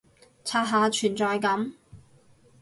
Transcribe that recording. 刷下存在感